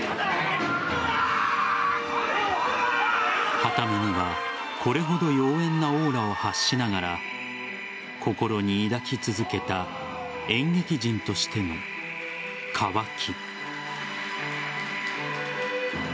はた目には、これほど妖艶なオーラを発しながら心に抱き続けた演劇人としての渇き。